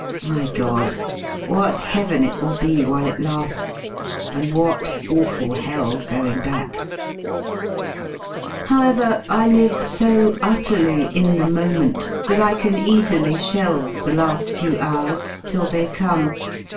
My God ! what heaven it will be while it la^s, and what awful hell going back ! However, Miyp sn nttp Hy in the moment that I can easily shelve tKe la^ few hours till they come.